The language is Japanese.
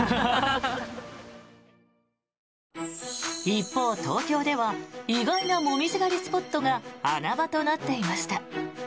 一方、東京では意外なモミジ狩りスポットが穴場となっていました。